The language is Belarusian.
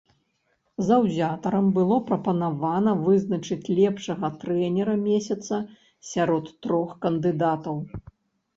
Заўзятарам было прапанавана вызначыць лепшага трэнера месяца сярод трох кандыдатаў.